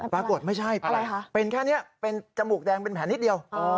ปรากฏไม่ใช่เป็นแค่นี้เป็นจมูกแดงเป็นแผลนิดเดียว